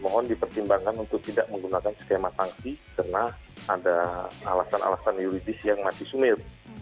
mohon dipertimbangkan untuk tidak menggunakan skema sanksi karena ada alasan alasan yuridis yang masih sumir